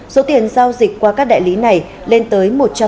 số tiền giao dịch qua các đại lý này lên tới một trăm linh